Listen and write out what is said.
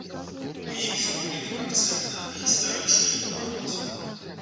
У іх зроблены акцэнт на гістарычнаю памяць.